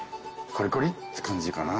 コリコリって感じかな。